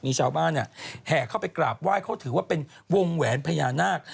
มีชาวบ้านเนี่ยแห่เข้าไปกราบไหว้เขาถือว่าเป็นวงแหวนพญานาค